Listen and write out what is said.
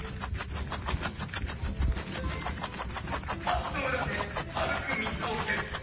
足のうらでまるく水をける。